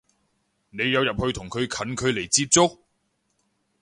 你有入去同佢近距離接觸？